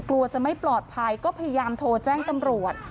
กลัวจะไม่ปลอดภัยก็พยายามโทรแจ้งตำรวจ